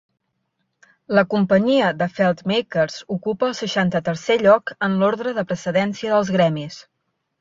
La Companyia de Feltmakers ocupa el seixanta-tercer lloc en l'ordre de precedència dels Gremis.